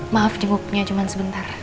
maaf jenguknya cuman sebentar